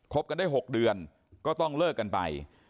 กันได้๖เดือนก็ต้องเลิกกันไป